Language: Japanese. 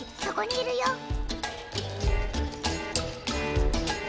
そこにいるよ。